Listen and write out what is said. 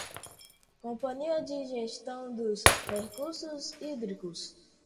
Companhia de Gestão dos Recursos Hídricos